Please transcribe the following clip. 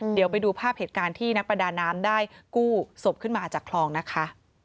เดี๋ยวไปดูภาพเหตุการณ์ที่นักประดาน้ำได้กู้ศพขึ้นมาจากคลองนะคะ